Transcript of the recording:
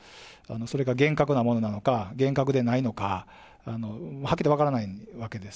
それが厳格なものなのか、厳格でないのか、はっきり言って分からないわけです。